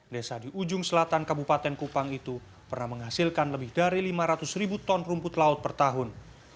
desa di ujung selatan kabupaten kupang itu pernah menghasilkan lebih dari lima ratus ribu ton rumput laut per tahun